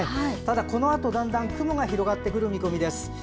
このあとだんだん雲が広がってくる見込みです。